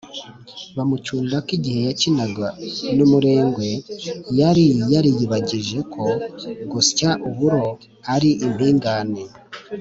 bamucyurira ko igihe yakinaga n’umurengwe yari yariyibagije ko gusya uburo ari impingane.